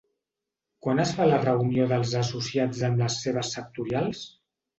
Quan es fa la reunió dels associats amb les seves sectorials?